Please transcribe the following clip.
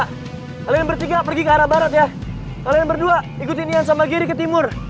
kalian bertiga pergi ke arah barat ya kalian berdua ikutin yang sama giri ke timur